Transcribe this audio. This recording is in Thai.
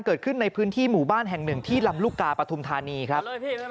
เกิดขึ้นในพื้นที่หมู่บ้านแห่งหนึ่งที่ลำลูกกาปฐุมธานีครับ